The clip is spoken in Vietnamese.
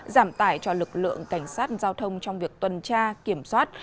giảm tải cho lực lượng cảnh sát giao thông trong việc tuần tra kiểm soát